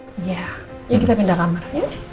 iya yuk kita pindah kamar